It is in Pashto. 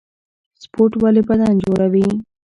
سپورټ ولې بدن جوړوي؟